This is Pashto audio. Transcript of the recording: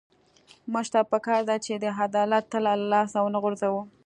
موږ ته پکار ده چې د عدالت تله له لاسه ونه غورځوو.